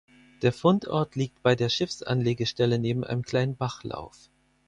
Der Fundort liegt bei der Schiffsanlegestelle neben einem kleinen Bachlauf.